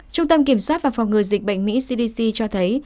trung tâm kiểm soát và phòng ngừa dịch bệnh mỹ cdc cho thấy